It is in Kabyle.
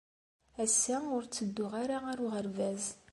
Ass-a, ur ttedduɣ ara ɣer uɣerbaz.